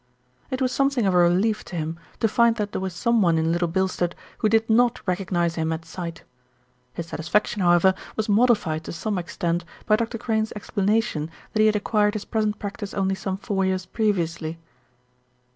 It was something of a relief to him to find that there was some one in Little Bilstead who did not recognise him at sight. His satisfaction, however, TOas modified to some extent by Dr. Crane's explanation that he had acquired his present practice only some four years previously.